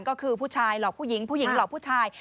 ก็คือผู้ชายหลอกผู้หญิงผู้หญิงหลอกผู้ชาย